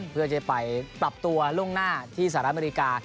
เพื่อจะไปปรับตัวล่วงหน้าที่สหรัฐอเมริกา